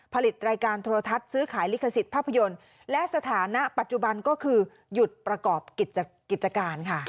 ผลิตรายการโทรทัศน์ซื้อขายลิขสิทธิภาพยนตร์และสถานะปัจจุบันก็คือหยุดประกอบกิจการค่ะ